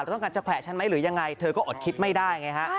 แต่ต้องการจะแขวะฉันไหมหรือยังไงเธอก็อดคิดไม่ได้ไงฮะ